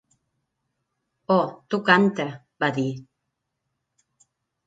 'Oh, tu cante', va dir.